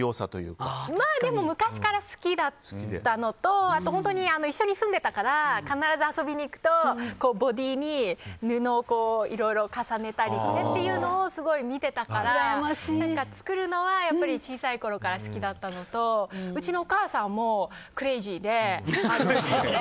昔から好きだったのと本当に一緒に住んでたから必ず遊びに行くとボディーに布をいろいろ重ねたりしてというのをすごい見てたから作るのは小さいころから好きだったのとうちのお母さんもクレイジーで。